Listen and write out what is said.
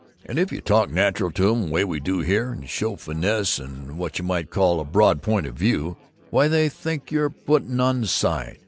And if you talk natural to 'em, way we do here, and show finesse and what you might call a broad point of view, why, they think you're putting on side.